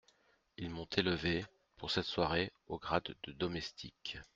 Ils m'ont élevé, pour cette soirée, au grade de domestique !